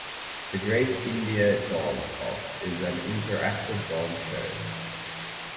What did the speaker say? The Great India Dance Off is an interactive dance show.